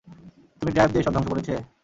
তুমি ড্রাইভ দিয়ে এসব ধংস করেছে?